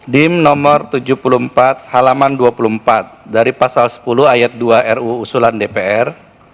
dim nomor tujuh puluh empat halaman dua puluh empat dari pasal sepuluh ayat dua ruu usulan dpr